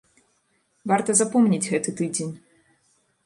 Варта запомніць гэты тыдзень.